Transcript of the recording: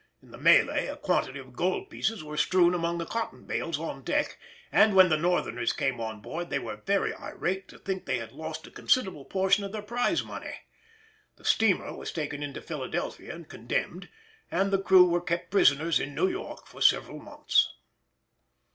In the mêlée a quantity of gold pieces were strewn among the cotton bales on deck, and when the Northerners came on board they were very irate to think they had lost a considerable portion of their prize money. The steamer was taken into Philadelphia and condemned, and the crew were kept prisoners in New York for several months.